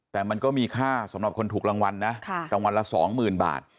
แต่มันก็มีค่าสำหรับคนถูกรางวัลนะรางวัลละ๒๐๐๐บาท